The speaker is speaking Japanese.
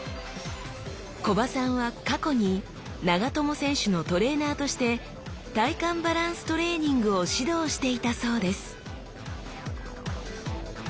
木場さんは過去に長友選手のトレーナーとして体幹バランストレーニングを指導していたそうです